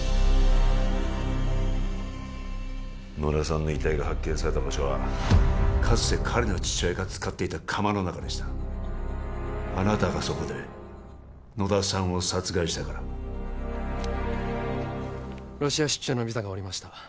野田さんの遺体が発見された場所はかつて彼の父親が使っていた窯の中でしたあなたがそこで野田さんを殺害したからロシア出張のビザが下りました